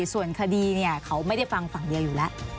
ส่วนคดีเขาไม่ได้ฟังฝั่งเดียวอยู่แล้ว